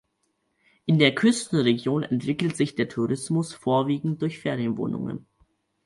In der Küstenregion entwickelt sich der Tourismus, vorwiegend durch Ferienwohnungen.